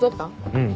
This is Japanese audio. うん。